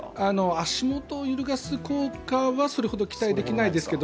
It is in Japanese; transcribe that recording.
足元を揺るがす効果はそれほど期待できないですけど